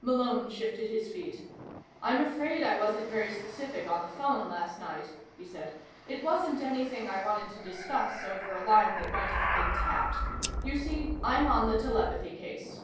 Malone shifted his feet. "I'm afraid I wasn't very specific on the phone last night," he said. "It wasn't anything I wanted to discuss over a line that might have been tapped. You see, I'm on the telepathy case."